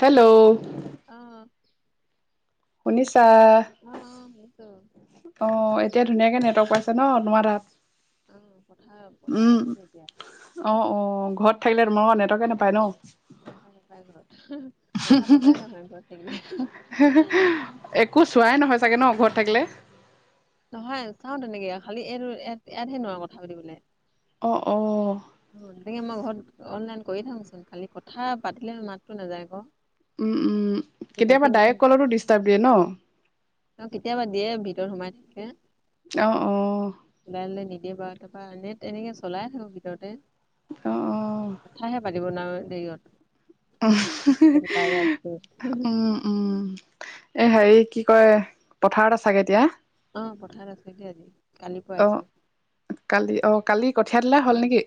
Hello! অ'। শুনিছা? অ', অ', শুনিছো। অ', এতিয়া ধুনীয়াকে নেটৱৰ্ক পাইছে ন তোমাৰ তাত? অ', পথাৰত উম পথাৰত আছো এতিয়া। অ', অ', ঘৰত থাকিলে তোমাৰ পৰা নেটৱৰ্কে নাপায় ন? নাপায় নাপায় ঘৰত। কথা পতাই নহয় ঘৰত থাকিলে। একো চোৱাই নহয় চাগৈ ন ঘৰত থাকিলে? নহয় চাওঁ তেনেকে। খালি এইটো ইয়াত ইয়াতহে নোৱাৰো কথা পাতিবলে। অ', অ',। [unintelligible] মই ঘৰত অনলাইন কৰি থাকোচোন। খালি কথা পাতিলে মাতটো নাযায় আকৌ। উম, উম। কেতিয়াবা ডাইৰেক্ট কলতো ডিষ্টাৰ্ব দিয়ে ন? অ', কেতিয়াবা দিয়ে ভিতৰত সোমাই থাকে। অ', অ'। কোনোবাই আনিলে নিদিয়ে। বা তাৰপা এনে তেনেকে চলাই থাকো ভিতৰতে। অ কথাহে পাতিব নোৱাৰো বেৰিয়ত। উম, উম। এ, হেৰি কি কয়, পথাৰত আছাগে এতিয়া। অ', পথাৰত আছো, দেই আজি কালি অ পইছো [unintelligible] কালি অ', কালি কঠিয়া তোলা অ হ'ল নেকি?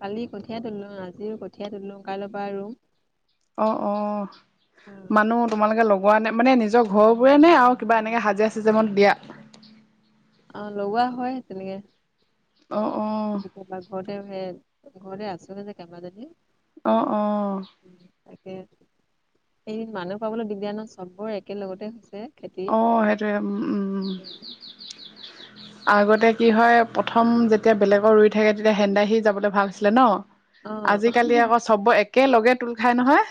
কালি কঠিয়াই তোলিলো, আজিও কঠিয়াই তোলিলো, কাইলৈৰ পৰা আৰু অ', অ', মানুহ তোমালোকে লগোৱা নে মানে নিজৰ ঘৰবোৰে নে আৰু কিবা এনেকে হাজিৰা চাজিৰা অকণ দিয়া? অ', লগোৱা হয় তেনেকে। অ', অ'। [unintelligible] ঘৰ ঘৰ আছে যে কমাজি [unintelligible] অ', অ'। উ, তাকে, সেই মানুহ পাবলৈ দিগদাৰ ন' সবৰে একেলগতে হৈছে। খেতি অ', সেইটোয়ে, উ, উম। আগতে কি হয়, প্ৰথম যেতিয়া বেলেগৰ ৰুই থাকে তেতিয়া হেন্দাই সি যাবলৈ ভাল আছিলে ন'। অ আজিকালি আকৌ চবৰে একে লগে তোল খাই নহয়।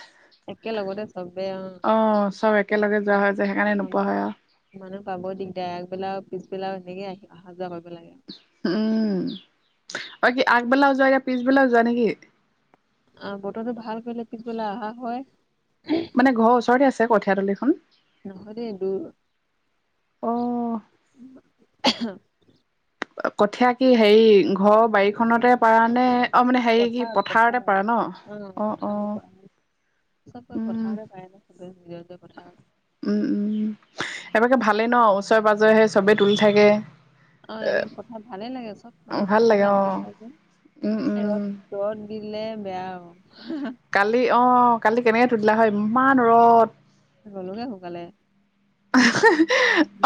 একেলগতে সবেই অ'। চব একেলগে যোৱা হয় যে সেইকাৰণে নোপোৱা হয় আৰু মানুহ পাব দিগদাৰ, আগবেলা আৰু পিছবেলা, এনেকে আহি অহা যোৱা কৰিব লাগে। উম, আৰু কি আগবেলাও যোৱা গে পিছবেলাও যোৱা নেকি? আৰু বতৰটো ভাল কৰিলে পিছবেলাই অহা হয়। মানে ঘৰৰ ওচৰতে আছে কঠিয়াতলীখন। নহয় দে দূৰ। অ'। কঠীয়া কি হেৰি ঘৰৰ বাৰীখনতে পাৰা নে? অ', মানে হেৰি কি পথাৰত পথাৰতে পাৰে পথাৰত ন' অ', অ'। সব গৈ উম। পথাৰতে পাৰে ন' সবে নিজৰ নিজৰ পথাৰ। উম, উম, এবাকে ভালেই ন' ওচৰে পাজৰে সেই চবেই তুলি থাকে। অ', তেনেকে পথাৰত ভালে লাগে, সব অ', মানুহ ভাল লাগে পথাৰলে আহি অ', পেলাই উম, যে উম। ৰ'দ দিলে বেয়া অ'। কালি অ' কালি কেনেকৈ তুলিলা হয়, ইমান ৰ'দ গ'লোগে সোনকালে।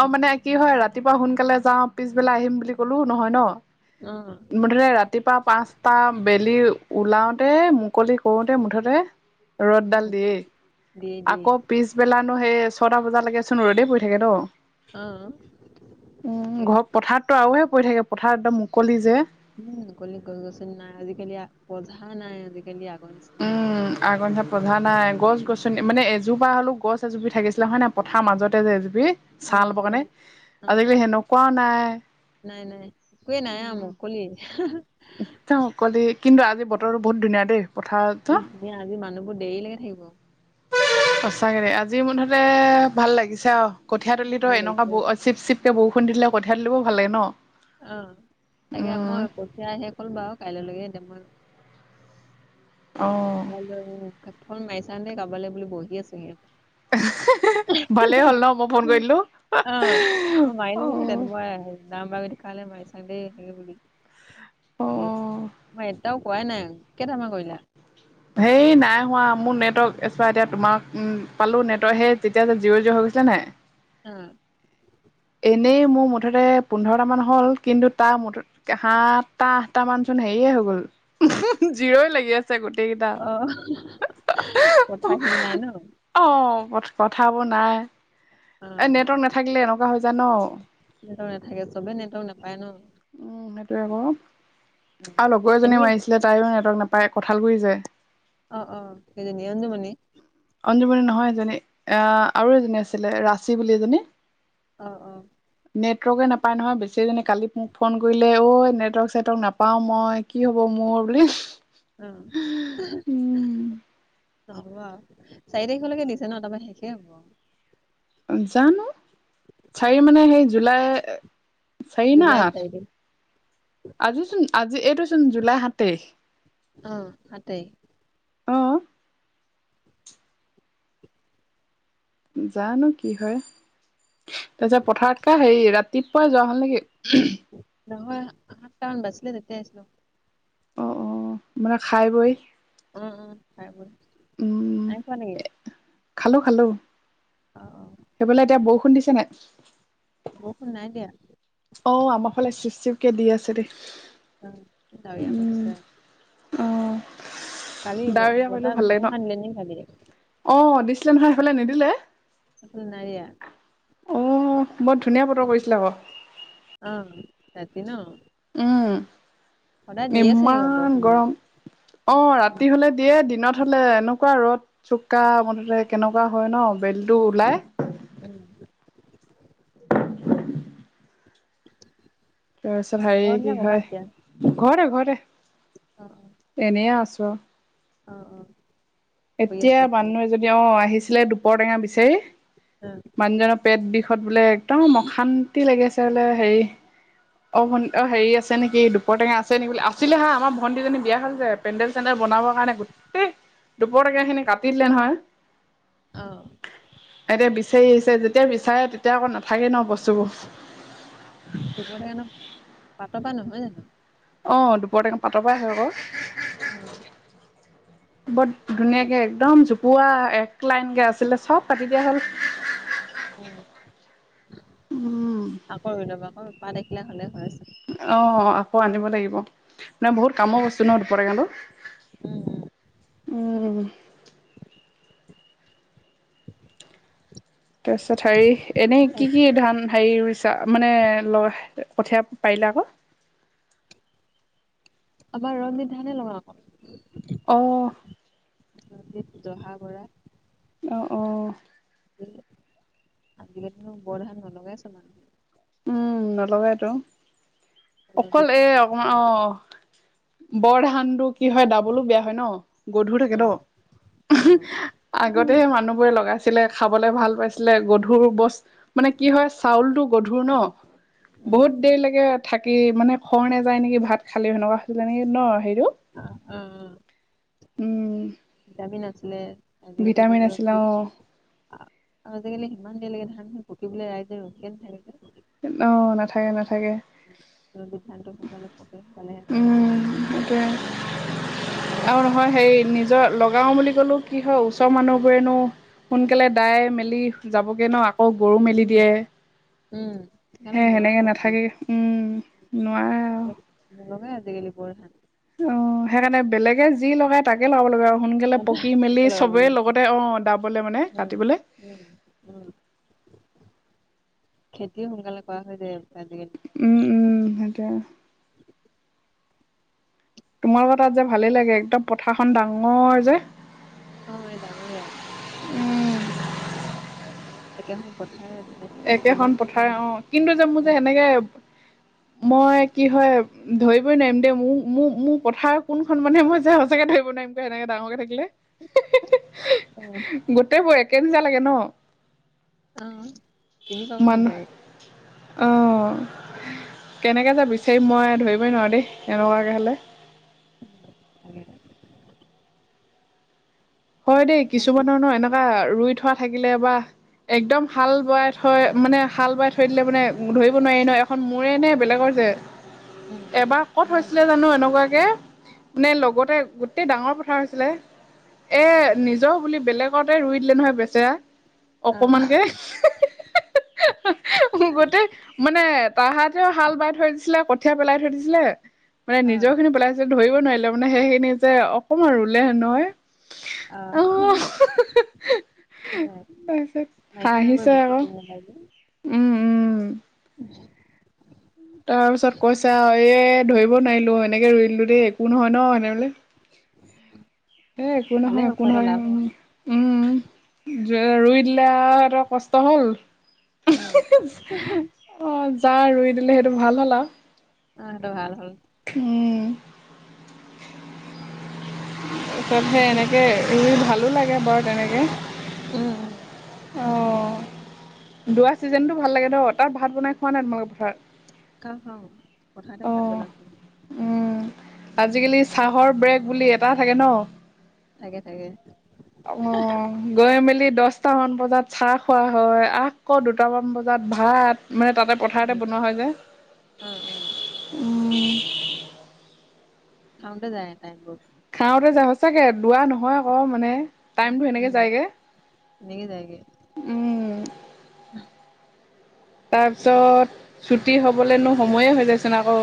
অ', মানে কি হয় ৰাতিপুৱা সোনকালে যাও, পিছবেলা আহিম বুলি কলেও নহয় ন'। অ'। মুঠতে ৰাতিপুৱা পাঁচটা বেলি ওলাওঁতে মুকলি কৰোতে মুঠতে অ ৰ'দডাল দিয়ে। দিয়ে দিয়ে আকৌ পিছবেলানো সেই ছয়টা বজালৈকে চোন ৰ'দেই পৰি থাকে ন'। অ উম, তাকে ঘ পথাৰতটো আৰুহে পৰি থাকে, পথাৰত একদম মুকলি যে। উম, মুকলি গছ গছনি নাই আজিকালি পধা নাই আজিকালি আগৰ নিচ উম, আগৰ নিচিনা পধা নাই, গছ গছনি উম। মানে এজোপা হ'লেও গছ জুপি থাকিছিলা হয় নে পথাৰ মাজতে যে এজুপি। অ ছা ল'ব কাৰণে, নাই অ আজিকালি সেনেকুৱাও নাই। নাই, নাই, একোৱে নাই আ মুকলি। মুকলি, কিন্তু আজি বতৰটো বহুত ধুনীয়া দেই, পথাৰতো এ আজি মানুহবোৰ দেৰিলৈকে থাকিব। সঁচাকে দে আজি মুঠতে ভাল লাগিছে আৰু কঠিয়াতলিটো ভাল এনেকুৱা লাগিছে ব চিপ চিপ কে বৰষুণ দিলে কঠীয়া তুলিবও ভালে ন'। অ' তাকে উম মই কঠিয়া শেষ হ'ল বাৰু কাইলৈকে এতিয়া মই অ'। বাই ফোন মাৰিছাে, কাবালে বুলি বহি আছো সিহঁতে উ' [unintelligible] ভালেই হ'ল ন' মই ফোন কৰি দিলোঁ। অ নম্বৰ কালে মাইছা দে সেই বুলি। [unintelligible] অ ভাবি আছো। মই এটাও কৰাই নাই, কেইটামান কৰিলা? হেই নাই হোৱা, মোৰ নেটৱৰ্ক নেপাই। এতিয়া তোমাক পালো নেটৱৰ্ক সেই তেতিয়া যে জিৰ' জিৰ' হৈ গৈছিলে নাই। উম, এনেই মোৰ মুঠতে পোন্ধৰটা মান হ'ল কিন্তু তাৰ মুঠ সাতটা-আঠটা মান চোন হেৰিয়ে হৈ গ'ল। জিৰ' লাগি আছে গোটেই কেইটা। অ কথাখিনি নাই ন অ, কথাবোৰ নাই। অ এ নেটৱৰ্ক নাথাকিলে এনেকুৱা হৈ যায় ন। নেটৱৰ্ক নাথাকে চবে নেটৱৰ্ক নাপায় ন। উম, সেইটয়ে আকৌ উম। আৰু লগৰ এজনী এনেকে মাৰিছিলে তাইৰো নেটৱৰ্ক নাপায়। কঁঠাল গোৰি যে অ, অ, সেইজনি অঞ্জুমণি। অঞ্জুমণি নহয় এজনী, আহ আৰু এজনী আছিলে ৰাচি বুলি এজনী। অ, অ, নেটৱৰ্কে নাপায় নহয়, বেচেৰীজনি। কালি মোক ফোন কৰিলে ঐ নেটৱৰ্ক-চেটৱৰ্ক নাপাওঁ মই। কি হ'ব মোৰ। বুলি উম, উম নহ'ব চাৰি তাৰিখলৈকে দিছে ন তাৰ শেষে হ'ব। জানো চাৰি মানে সেই জুলাই। চাৰি নে জুলাই আঠ চাৰি তাৰিখ আজিচোন আজি এইটো চোন জুলাই সাত তাৰিখ।। অ, সাত তাৰিখ। অ [inaudible] জানো কি হয়। তাৰ পিছত পথাৰত। হেৰি ৰাতিপুৱাই যোৱা হ'ল নেকি? নহয়, সাতটামান বাচিলে তেতিয়া আছিলো। অ, অ, মানে খাই-বই। উম, উম, খাই-বই নাই খোৱা নেকি? খালো-খালো। অ, সেইফালে এতিয়া বৰষুণ দিছে নে নাই? বৰষুণ নাই দিয়া। অ, আমাৰ ফালে চিপ-চিপ কে দি আছে দেই। অ, ডাৱৰীয়া কৰি উম থৈছে। অ কালি ডাৱৰীয়া কৰিলেও বতাহ- ভাল লাগে ন ধুমুহা [unintelligible] অ, দিছিলে নহয় সেইফালে নিদিলে? এইফালে নাই দিয়া অ, বৰ ধুনীয়া বতৰ পৰিছিলে আকৌ। অ' ৰাতি ন' উম সদায় ন' আছে নেকি ইমান বৰষূণ। গৰম অ' ৰাতি হলে দিয়ে, দিনত হলে এনেকুৱা ৰ'দ। চুকা মুঠতে কেনেকুৱা হয় ন' বেলটো ওলাই। উম, তাৰপিছত হেৰি ঘৰত নে কি কৰবাত এতিয়া হয় ঘৰতে- ঘৰতে। অ, এনেই আছো। অ, অ, শুই এতিয়া আছিলা চাগে মানুহ এজনী অ, আহিছিলে দুপৰটেঙা বিচাৰি উম, মানুহজনৰ পেট বিষত বোলে একদম অশান্তি লাগিছে বোলে হেৰি। অ, ভন্ি অ হেৰি আছে নেকি দুপৰটেঙা আছে নেকি বুলি আছিলে হা আমাৰ ভণটিজনী বিয়া হৈছে। পেণ্ন্দেল চেন্দেল বনাবৰ কাৰণে গোটেই দুপৰটকীয়া খিনি কাটি দিলে নহয়। অ, এতিয়া বিচাৰি আহিছে যেতিয়া বিচাৰে তেতিয়া আকৌ নাথাকে ন বস্তুবোৰ। দোপৰটেঙাতো পাতৰ পৰা নহয় জানো। অ, দুপৰটেঙা পাটৰ পৰা আহে আকৌ। অ'। বৰ পাত ধুনীয়াকে, একদম জোপোহা, এক লাইনকে আছিলে, চব কাটি দিয়া হ'ল। উম, উম আকৌ ৰুই ল'ব। আকৌ পাত এখিলা হ'লেই হয়েই চোন। অ', আকৌ আনিব লাগিব। মানে, বহুত কামৰ বস্তু ন' দুপৰ টেঙাটো উম উম। [inaudible] তাৰ পিছত, হেৰি, এনেই উম কি কি ধান হেৰি ৰুইছা, মানে কঠিয়া পাৰিলে আকৌ আমাৰ [unintelligible] ধানে লগাওঁ আকৌ অ'। [unintelligible] জহা [unintelligible] অ', অ'। আজিকালি নো বৰ ধান নলগাই চব মানুহে উম, নলগাইতো, অকল ৰঞ্জিত এই ধানে অকণমান অ' বৰ ধানটো কি হয়? ডাবল বেয়া হয় ন? গধুৰ থাকে উম ন? উম আগতে হে মানুহবোৰে লগাই ছিলে, খাবলৈ ভাল পাইছিলে। গধুৰ বস্তু, মানে কি হয়, চাউলটো গধুৰ ন? উম বহুত দেৰিলৈকে থাকি, মানে খৰ নাযায় নেকি? ভাত খালেও, সেনেকুৱা হৈছিল নেকি ন, হেৰিটো? অ', উম উম, উম ডাবি নাছিলে। ভিটামিন আজিকালিতোতো আছিলে অ আজিকালি সিমান দেৰি লাগে ধান চোন পকিবলৈ, ৰাইজে ৰখিয়েই থাকে দেখোন। অ', নাথাকে, নাথাকে। [unintelligible] কয় টোৱেই। আৰু নহয়, হেৰি, নিজৰ লগাওঁ বুলি ক'লোঁ কি হয়, ওচৰৰ মানুহবোৰেনো সোনকালে দাই-মেলি যাবগে ন'? অ', গৰু মেলি উম, দিয়ে উম। সেইকাৰণে সেই সেনেকে নোৱাৰোঁ নাথাকে উম নোৱাৰে আৰু [unintelligible] নলগাই আজিকালি বৰ ধান অ', সেইকাৰণে বেলেগে যি লগায় তাকে লগাব লাগিব আৰু সোনকালে পকি তাকে মেলি লগাব চবেই লাগিব লগতে, অ', দাবলৈ মানে উম, কাটিবলৈ উম উম, খেতিও সোনকালে কৰা হৈ যায় আজিকালি। উম, উম, সেইটোৱেই। তোমালোকৰ তাত যে ভালেই লাগে, একদম পথাৰখন ডাঙৰ যে অ', ইয়াত ডাঙৰে আৰু একেখন পথাৰেই ভাই, একেখন কেইবাখনো পথাৰ হ'ল। অ কিন্তু যে মোৰ যে উম। সেনেকে মই কি হয়? ধৰিবই নোৱাৰিম দেই মোৰ, মোৰ, মোৰ পথাৰখন কোনখন মানে, মই যে সঁচাকৈয়ে ধৰিব নোৱাৰিম। কে, সেনেকে ডাঙৰকে থাকিলে, উম, গোটেইবোৰ একে নিচিনা লাগে ন'? অ'। চিনি পাব মানুহ, দিগদাৰি। অ'। কেনেকৈ যে বিচাৰিম মই, ধৰিবই নোৱাৰোঁ দেই। এনেকুৱাকে হ'লে [inaudible] হয় দেই, কিছুমানৰ ন' এনেকুৱা ৰুই থোৱা থাকিলে বা একদম হাল বোৱাই থৈ, মানে হাল বোৱাই থৈ দিলে, মানে ধৰিব নোৱাৰি ন'? এখন মোৰেই নে বেলেগৰ যে, উম, এবাৰ ক'ত উম, হৈছিলে জানো, এনেকুৱাকে? মানে, লগতে গোটেই ডাঙৰ পথাৰ আছিলে। এ', নিজৰ বুলি বেলেগতে ৰুই দিলে নহয়, বেচেৰা অ', অকণমানকে গোটেই, মানে তাহাঁতেও হাল বাই থৈ দিছিলে, কঠীয়া পেলাই থৈ দিছিলে মানে অ'। নিজৰখিনি পেলাইছিল, ধৰিব নোৱাৰিলে। মানে সেইখিনিতে অকণমান ৰুলে নহয় আ আহ হয় নাই? তাৰপিছত মাইকী মানুহে হাঁহিছে বৰ বেছি আকৌ কৈ পেলাই যে। উম। উম তাৰ পিছত কৈছে আৰু এ, ধৰিব নোৱাৰিলোঁ এনেকে ৰুই দিলোঁ দেই একো নহয় ন' এনেহ'লে। [unintelligible] এ, একো ভালে নহয় হ'ল একো খোৱাটো নহয় লাভ হ'ল। উম। উম, ৰুই দিলে আৰু সিহঁতৰ কষ্ট হ'ল। অ', অ' যা ৰুই দিলে সেইটো ভাল হ'ল আৰু। অ' হেইটো ভাল হ'ল। উম। তাৰিছত সেই বাকী এনেকে ৰুই ভালো লাগে বাৰু তেনেকে। উম, উম, অ' দুৱা চিজনটো ভাল লাগে ন' তাত ভাত বনাই? খোৱা নাই তোমালোকে ভাত? খাওঁ খাওঁ। ককাহঁতে ভাত বনাইছেহে। উম আজিকালি চাহৰ ব্ৰেগ বুলি এটা থাকে ন'? থাকে থাকে। অ'। গৈ মেলি দছটামান বজাত চাহ খোৱা হয় আকৌ দুটামান বজাত ভাত মানে তাতে পথাৰতে উম, বনোৱা হয় যে। অ', অ', উম। খাওঁতে যায় টাইমবোৰ। খাওঁতে যায় সঁচাকে, দুৱা নহয় আকৌ মানে। টাইমটো সেনেকে উম, যায়গে এনেকে জাইগে। উম। তাৰপিছত ছুটি হ'বলৈনো সময়ে হৈ যায়চোন আকৌ।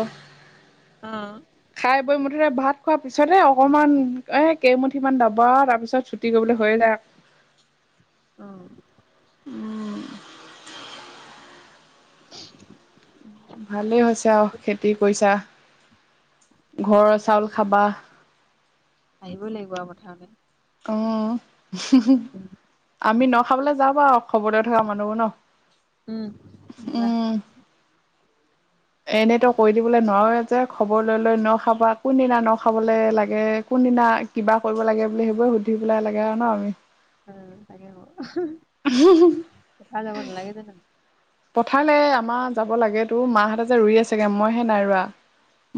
অ'। খাই বৈ মুঠতে ভাত খোৱাৰ পিছতেহে অকমান এ, কেইমুঠিমান দাবা, তাৰিছত ছুটি কৰিবলৈ হৈয়ে যায়। অ'। ভালেই হৈছে আৰু খেতি কৰিছা। ঘৰৰ চাউল খাবা। আহিবই লাগিব আৰু পথাৰতে। অ'। আমি ন' খাবলে যাওঁ বাৰু। অসমতেই থকা মানুহবোৰ ন'। উম, আহিবা। এনে তই কৈ দিবলৈ নোৱাৰই। যে খবৰ লৈ লৈ ন' খাবা, কোনদিনা ন' খাবলৈ লাগে কোনদিনা কিবা কৰিব লাগে বুলি সেইবোৰে সুধি পেলাই লাগে আৰু ন' আমি? উম, লাগে বাৰু শুকাই যাব নালাগে জাননে? পথাৰলৈ আমাৰ যাব লাগেতো। মাহঁতে যে ৰুই আছেগে মইহে নাই ৰোৱা।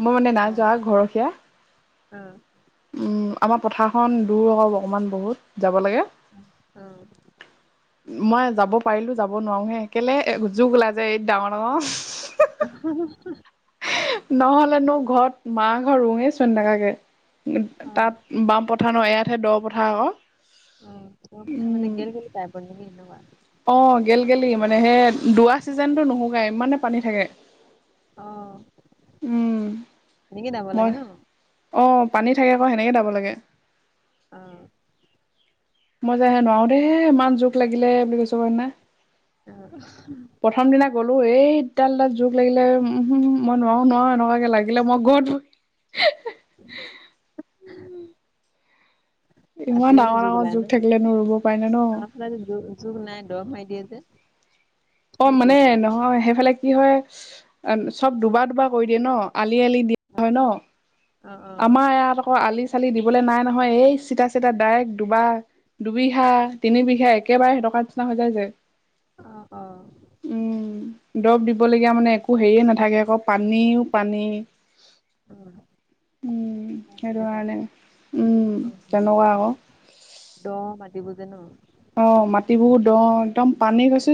মই মানে নাই অ', যোৱা, ঘৰখীয়া। অ', উম, আমাৰ পথাৰখন দূৰ হ'ব অকণমান বহুত যাব লাগে। অ'। মই যাব পাৰিলেওঁ যাব নোৱাৰোহে, কেলে যুক ওলাই যে এই ডাঙৰ ডাঙৰ। [unintelligible] নহ'লেনো ঘৰত মা ঘৰ ৰুঙেই চুই এ, নাথাকে। অ', তাত বামপত কথা নহয় ইয়াতহে দ পথাৰ আকৌ। অ' মত খাই মানে উম গেল গেলি টাইপৰ নেকি কেনেকুৱা? অ' গেল গেলি, মানে সেই দুৱা ছিজনটো নুশুকাই ইমানে পানী থাকে। অ' উম এনেকে যাব মই লাগে ন'? অ' পানী থাকে আকৌ সেনেকে যাব লাগে। অ'। মই য হে নোৱাৰো দেই ইমান জোখ লাগিলে বুলি কৈছ ক ন উ প্ৰথম দিনা গ'লো এই ইতিতাল জোখ লাগিলে উম মই নোৱাৰো নোৱাৰো এনেকুৱাকে লাগিলে মই গলো হ [unintelligible] [unintelligible] ইমান আজিকালি ডাঙৰ ডাঙৰ জুখ থাকিলেনো ৰুব পি ন ন জোখ নাই দৰ মাৰ দিয়ে যে অ তাত মানে যুগ নাই। নহয় সেইফালে কি হয় চব দুবাৰ দুবাৰ কৰি দিয়ে ন আলি আলি দি অ', হয় ন অ', আমাৰ ইয়াৰ আকৌ আলি চালি দিবলৈ নাই নহয় এই চিতা চিা ডাইৰেক্ট দুবা দুবিঘা তিনি বিঘা একেবাৰে টকাৰ নিচিনা হৈ যায় যে অ অ উম দৰৱ দিবলগীয়া মানে একো হেৰিয়ে নাথাকে আকৌ পানীও পানী উম, উম সেইটো তেনেকুৱা। কাৰণে উম উম, তেনেকুৱা আকৌ দ মাট বুজ নো অ মাটিবোৰ দম একদম পানী গৈছে